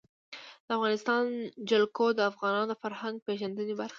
د افغانستان جلکو د افغانانو د فرهنګي پیژندنې برخه ده.